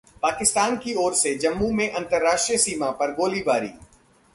पाकिस्तान की ओर से जम्मू में अंतर्राष्ट्रीय सीमा पर गोलीबारी